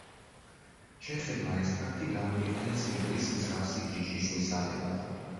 ჩეხებმა ეს ფაქტი გამოიყენეს მგლის მსგავსი ჯიშის მისაღებად.